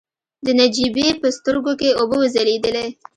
د نجيبې په سترګو کې اوبه وځلېدلې.